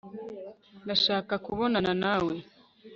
ndashaka kubonana nawe